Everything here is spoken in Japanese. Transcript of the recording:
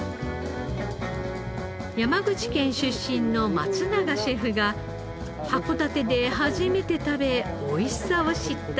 山口県出身の松永シェフが函館で初めて食べ美味しさを知った食材があります。